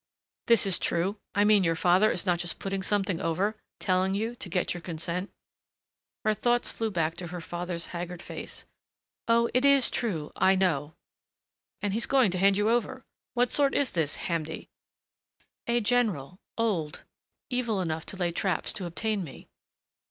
"This is true I mean your father is not just putting something over telling you to get your consent?" Her thoughts flew back to her father's haggard face. "Oh, it is true! I know." "And he's going to hand you over What sort is this Hamdi?" "A general. Old. Evil enough to lay traps to obtain me."